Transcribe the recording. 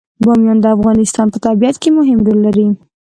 بامیان د افغانستان په طبیعت کې مهم رول لري.